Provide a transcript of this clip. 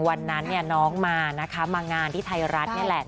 วันนั้นเนี่ยน้องมานะคะมางานที่ไทยรัฐนี่แหละ